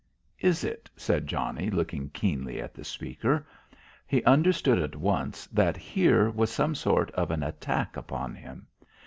"Is it?" said Johnnie looking keenly at the speaker. He understood at once that here was some sort of an attack upon him.